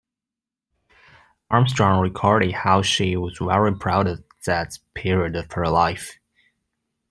Armstrong recorded how she was very proud of that period of her life.